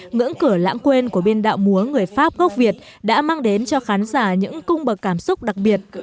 ngưỡng cửa lãng quên của biên đạo múa người pháp gốc việt đã mang đến cho khán giả những cung bậc cảm xúc đặc biệt